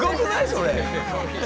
それ。